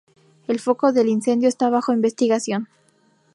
El foco del incendio está bajo investigación.